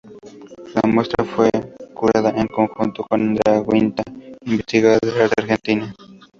La muestra fue curada en conjunto con Andrea Giunta, investigadora de arte argentina.